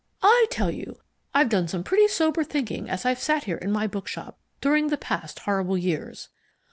I tell you, I've done some pretty sober thinking as I've sat here in my bookshop during the past horrible years.